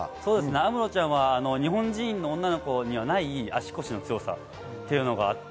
有夢路ちゃんは日本人の女の子にはない足腰の強さというのがあって、